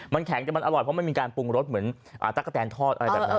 มันแข็งแต่มันอร่อยเพราะมันมีการปรุงรสเหมือนตั๊กกะแตนทอดอะไรแบบนั้น